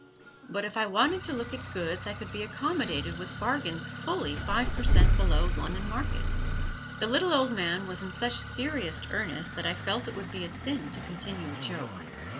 But if I wanted to look at goods I could be accommodated with bargains fully five per cent below Lunnon market. The little old man was in such serious earnest that I felt it would be a sin to continue a joke.